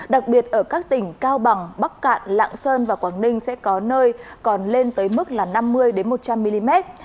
đặc biệt ở các tỉnh cao bằng bắc cạn lạng sơn và quảng ninh sẽ có nơi còn lên tới mức là năm mươi một trăm linh mm